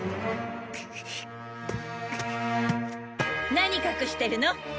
何隠してるの？